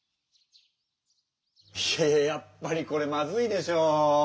いやいややっぱりこれまずいでしょ。